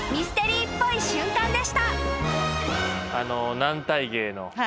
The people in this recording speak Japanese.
軟体芸の。